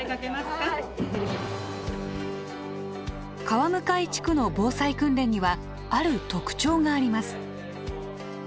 川向地区の防災訓練にはある特徴があります。